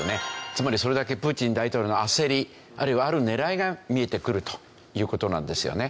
つまりそれだけプーチン大統領の焦りあるいはある狙いが見えてくるという事なんですよね。